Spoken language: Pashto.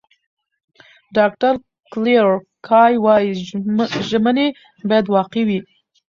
ډاکټره کلیر کای وايي، ژمنې باید واقعي وي.